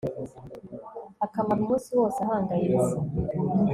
akamara umunsi wose ahangayitse